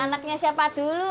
anaknya siapa dulu